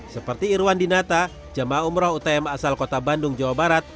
seperti irwan dinata jemaah umroh utm asal kota bandung jawa barat